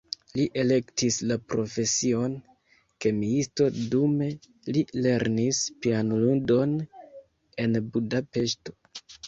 Li elektis la profesion kemiisto, dume li lernis pianludon en Budapeŝto.